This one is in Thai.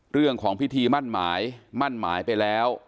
เรื่องของพิธีมั่นหมายมั่นหมายไปแล้ว